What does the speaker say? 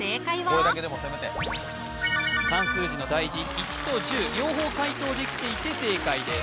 これだけでもせめて漢数字の大字１と１０両方解答できていて正解です